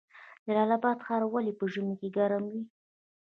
جلال اباد ښار ولې په ژمي کې ګرم وي؟